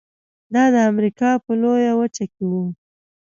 دا د امریکا په لویه وچه کې و.